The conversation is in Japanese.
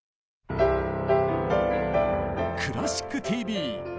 「クラシックＴＶ」！